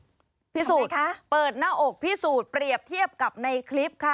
พิสูจน์คะเปิดหน้าอกพิสูจน์เปรียบเทียบกับในคลิปค่ะ